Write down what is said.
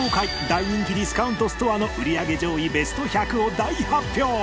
大人気ディスカウントストアの売り上げ上位ベスト１００を大発表！